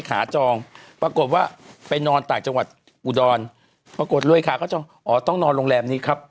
จองปรากฏว่าไปนอนต่างจังหวัดอุดรปรากฏรวยขาก็จองอ๋อต้องนอนโรงแรมนี้ครับ